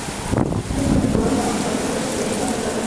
শেখ মুজিবুর রহমান এই সরকারের রাষ্ট্রপতি নিযুক্ত হন।